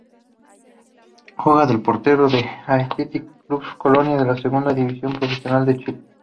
Juega de portero en Athletic Club Colina de la Segunda División Profesional de Chile.